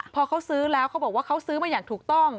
พอเขาซื้อแล้วเขาบอกว่าเขาซื้อมาอย่างถูกต้อง